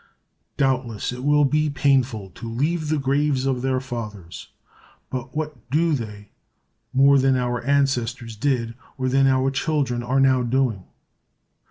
Doubtless it will be painful to leave the graves of their fathers; but what do they more than our ancestors did or than our children are now doing?